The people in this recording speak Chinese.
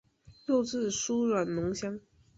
肉质酥软浓香。